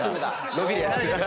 伸びるやつ。